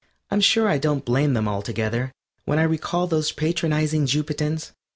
I'm sure I don't blame them altogether when I recall those patronizing Jupitans.